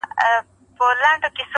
دي روح کي اغښل سوی دومره